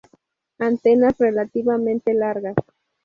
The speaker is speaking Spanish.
Antenas relativamente largas.